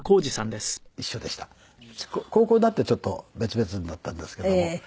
高校になってちょっと別々になったんですけども。